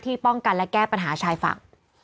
ป้องกันและแก้ปัญหาชายฝั่ง